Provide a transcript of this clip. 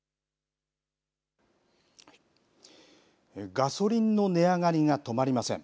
ガソリンの値上がりが止まりません。